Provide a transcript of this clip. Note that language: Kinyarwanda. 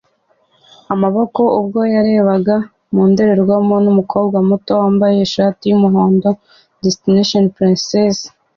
amaboko ubwo yarebaga mu ndorerwamo n'umukobwa muto wambaye ishati y'umuhondo Disney Princess